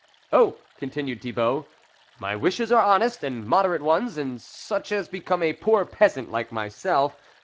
" Oh !" continued Thibault, " my wishes are honest and moderate ones, and such as become a poor peasant like myself.